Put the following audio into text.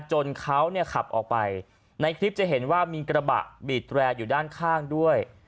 จนเขาเนี่ยขับออกไปในคลิปจะเห็นว่ามีกระบะบีดแรร์อยู่ด้านข้างด้วย